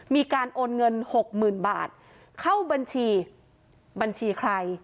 มีการโอนเงินหกหมื่นบาทเข้าบัญชีบัญชีใคร